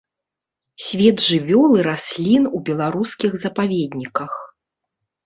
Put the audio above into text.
Свет жывёл і раслін у беларускіх запаведніках.